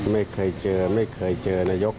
ไม่เคยเจอไม่เคยเจอนายก